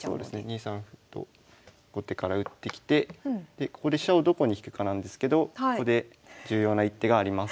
２三歩と後手から打ってきてでここで飛車をどこに引くかなんですけどここで重要な一手があります。